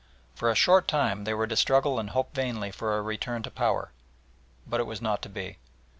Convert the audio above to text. For a short time they were to struggle and hope vainly for a return to power, but it was not to be.